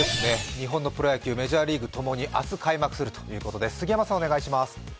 日本のプロ野球、メジャーリーグともに明日開幕するということです。